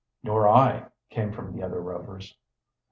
"Nor I," came from the other Rovers.